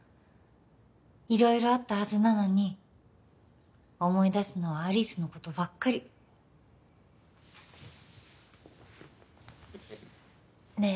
色々あったはずなのに思い出すのは有栖のことばっかりねえ